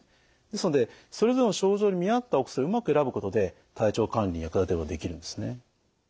ですのでそれぞれの症状に見合ったお薬をうまく選ぶことで体調管理に役立てることができるんですね。